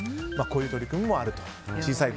こういう取り組みもあると。